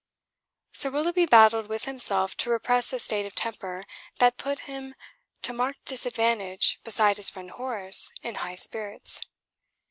Sir Willoughby battled with himself to repress a state of temper that put him to marked disadvantage beside his friend Horace in high spirits.